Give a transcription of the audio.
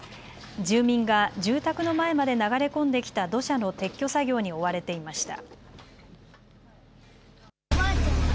住民が住宅の前まで流れ込んできた土砂の撤去作業に追われていました。